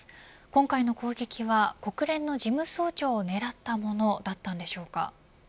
今回の攻撃は国連の事務総長を狙ったものだったんでしょうか。